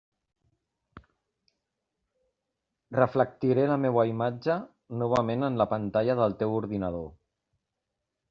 Reflectiré la meua imatge novament en la pantalla del teu ordinador.